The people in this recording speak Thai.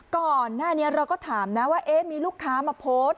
ก่อนหน้านี้เราก็ถามนะว่ามีลูกค้ามาโพสต์